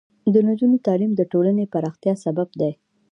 د نجونو تعلیم د ټولنې پراختیا سبب دی.